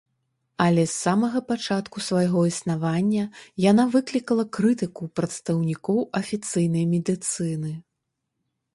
Але з самага пачатку свайго існавання яна выклікала крытыку прадстаўнікоў афіцыйнай медыцыны.